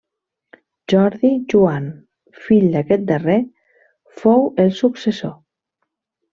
Jordi Joan, fill d'aquest darrer, fou el successor.